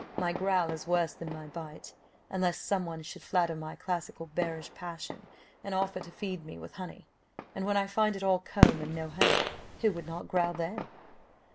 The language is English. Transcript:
My growl is worse than my bite, unless some one should flatter my classical, bearish passion, and offer to feed me with honey, and when I find it all comb and no honey, who would not growl then?"